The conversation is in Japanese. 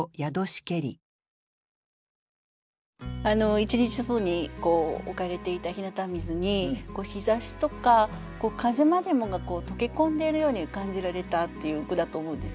一日外に置かれていた日向水に日ざしとか風までもが溶け込んでいるように感じられたっていう句だと思うんですね。